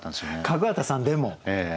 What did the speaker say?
角幡さんでも？